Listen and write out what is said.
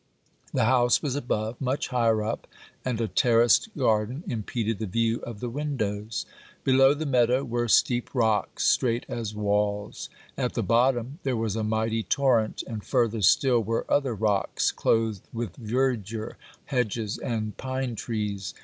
The house was above, much higher up, and a terraced garden impeded the view of the windows. Below the meadow were steep rocks straight as walls; at the bottom there was a mighty torrent, and further still were other rocks clothed with verdure, hedges and pine trees.